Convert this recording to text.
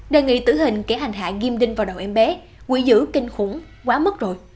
đề nghị tử hình kẻ hành hạ ghim đinh vào đầu em bé quỷ dữ kinh khủng quá mất rồi